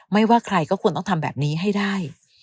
ไม่ว่าใครก็ควรต้องทำแบบนี้ให้ได้